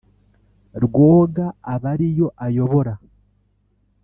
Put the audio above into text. rwoga aba ari yo ayobora.